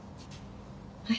はい。